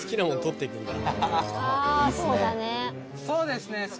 そうですね。